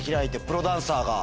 プロダンサーが。